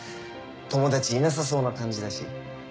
友達いなさそうな感じだし。